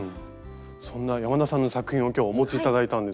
そんな山田さんの作品を今日お持ち頂いたんですが。